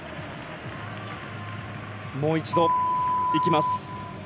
もう一度、行きます。